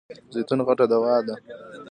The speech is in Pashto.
زیتون غټه دوا ده .